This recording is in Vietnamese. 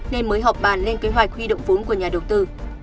nên mới họp bàn lên kế hoạch huy động vốn của nhà đầu tư